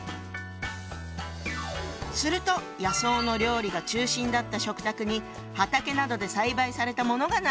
すると野草の料理が中心だった食卓に畑などで栽培されたものが並ぶように。